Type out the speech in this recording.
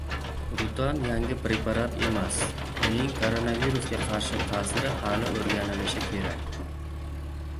«Rutan» yangi preparat emas. Uning koronavirusga qarshi ta’siri hali o‘rganilishi kerak